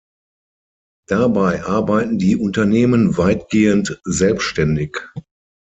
Dabei arbeiten die Unternehmen weitgehend selbstständig.